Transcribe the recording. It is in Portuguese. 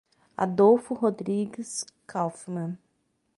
Adolfo Rodrigues Kauffmann